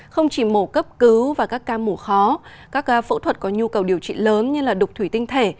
không chỉ mổ cấp cứu và các ca mổ khó các phẫu thuật có nhu cầu điều trị lớn như đục thủy tinh thể